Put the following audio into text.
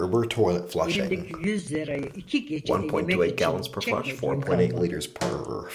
Elimdeki yüz lirayı iki gecede yemek için çekmediğim kalmadı.